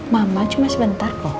mama cuma sebentar kok